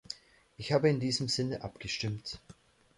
Ich habe in diesem Sinne abgestimmt.